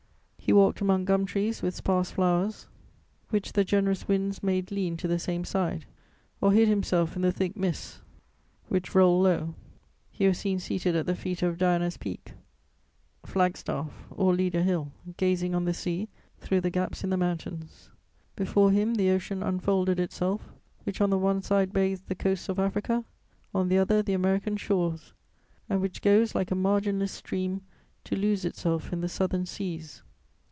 He walked among gum trees with sparse flowers, which the generous winds made lean to the same side, or hid himself in the thick mists which rolled low. He was seen seated at the feet of Diana's Peak, Flag Staff, or Leader Hill, gazing on the sea through the gaps in the mountains. Before him, the Ocean unfolded itself, which on the one side bathes the coasts of Africa, on the other the American shores, and which goes, like a marginless stream, to lose itself in the southern seas.